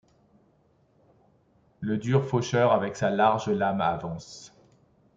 Le dur faucheur avec sa large lame avance